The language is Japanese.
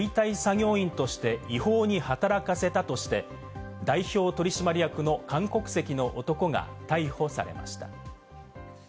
就労資格のないベトナム人を解体作業員として違法に働かせたとして、代表取締役の韓国籍の男が逮捕されました。